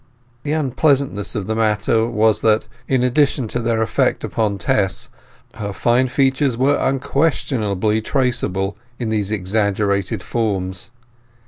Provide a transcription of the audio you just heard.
The unpleasantness of the matter was that, in addition to their effect upon Tess, her fine features were unquestionably traceable in these exaggerated forms.